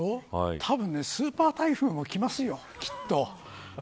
たぶん、スーパー台風も起きますよ、きっと。